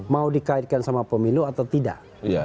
mau dikaitkan sama pemilu atau tidak